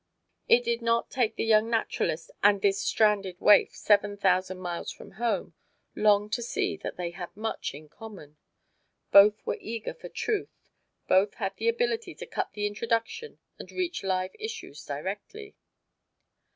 It did not take the young naturalist and this stranded waif, seven thousand miles from home, long to see that they had much in common. Both were eager for truth, both had the ability to cut the introduction and reach live issues directly.